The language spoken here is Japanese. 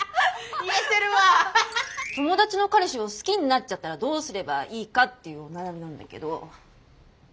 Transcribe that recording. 友達の彼氏を好きになっちゃったらどうすればいいか？っていうお悩みなんだけど。